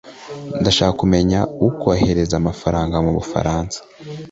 ndashaka kumenya ukohereza amafaranga mubufaransa